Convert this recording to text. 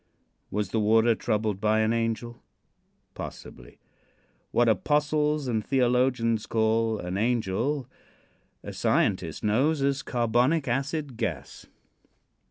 Was the water troubled by an angel? Possibly, what apostles and theologians call an angel a scientist knows as carbonic acid gas.